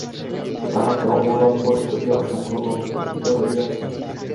তাঁহাকে অবলম্বন করিয়া অসংখ্য গ্রন্থ রচিত হইয়াছে।